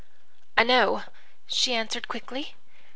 "'I know,' she answered quickly.